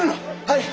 はい！